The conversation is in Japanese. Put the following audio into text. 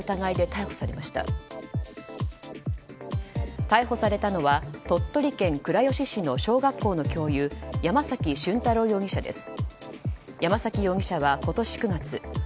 逮捕されたのは鳥取県倉吉市の小学校の教諭山崎隼太郎容疑者です。